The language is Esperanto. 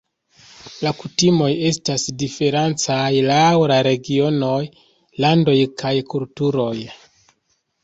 La kutimoj estas diferencaj laŭ la regionoj, landoj kaj kulturoj.